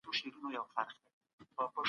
مجازات د عدالت برخه ده.